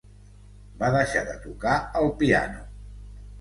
Va deixar de tocar el piano.